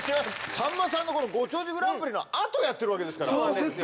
さんまさんの「ご長寿グランプリ」のあとやってるわけですからそうセット